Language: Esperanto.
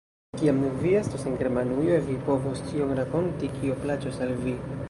Kiam vi estos en Germanujo, vi povos ĉion rakonti, kio plaĉos al vi.